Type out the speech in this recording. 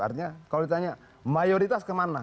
artinya kalau ditanya mayoritas kemana